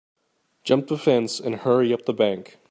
Jump the fence and hurry up the bank.